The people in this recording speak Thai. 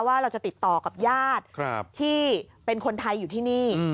ว่าเราจะติดต่อกับญาติที่เป็นคนไทยอยู่ที่นี่